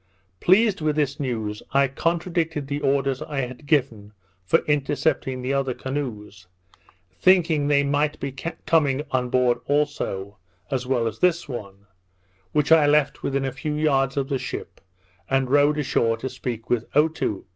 Pleased with this news, I contradicted the orders I had given for intercepting the other canoes, thinking they might be coming on board also, as well as this one, which I left within a few yards of the ship, and rowed ashore to speak with Otoo.